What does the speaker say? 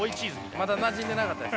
まだなじんでなかったですね。